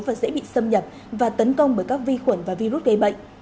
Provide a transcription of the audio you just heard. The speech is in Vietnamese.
và dễ bị xâm nhập và tấn công bởi các vi khuẩn và virus gây bệnh